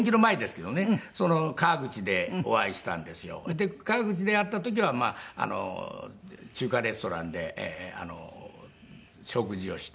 で川口で会った時は中華レストランで食事をして。